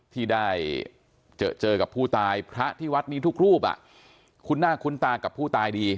ที่ได้เจอกับผู้ตายพระที่วัดนี้ทุกรูปคุ้นหน้าคุ้นตากับผู้ตายดี